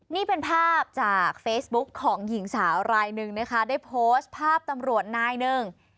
นี่เป็นภาพจากเฟซบุ๊กของหญิงสาวรายหนึ่งนะคะได้โพสต์ภาพตำรวจนายหนึ่ง